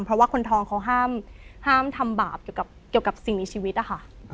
เพราะว่าคนทองเขาห้ามทำบาปเกี่ยวกับสิ่งในชีวิตนะคะ